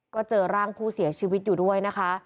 ก็เจอร่างผู้เสียชีวิตอยู่ด้วยนะคะ